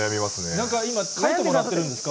なんか今、書いてもらってるんですか？